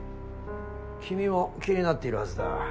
君も気になっているはずだ。